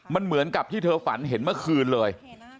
มันเหมือนกับที่เธอฝันเห็นเมื่อคืนเลย